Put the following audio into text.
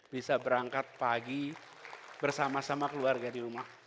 bisa berangkat pagi bersama sama keluarga di rumah